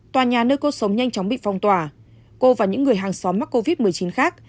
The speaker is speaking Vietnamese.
tòa nhà nơi cô sống nhanh chóng bị phong tỏa cô và những người hàng xóm mắc covid một mươi chín khác